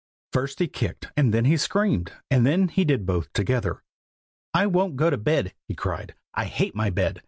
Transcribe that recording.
First he kicked, and then he screamed, and then he did both together. 'I won't go to bed!' he cried. 'I hate my bed!